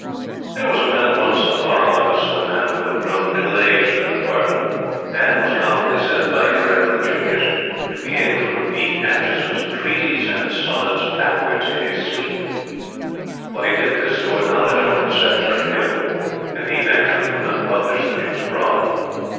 There was a man once in the Foreign Office a man who had grown middle aged in the department, and was commonly said, by irreverent juniors, to be able to repeat Aitchison's "Treaties and Sunnuds" backwards, in his sleep. What he did with his stored knowledge only the Secretary knew; and he, naturally, would not publish the news abroad.